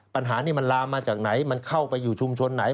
ปัญหานี้มันลามมาจากไหนมันเข้าไปอยู่ชุมชนไหน